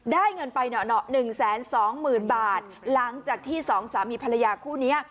ได้เงินไปหนา๑๒๐๐๐บาทหลังจากที่สองสามีภรรยาคู่นี้